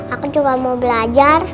aku juga mau belajar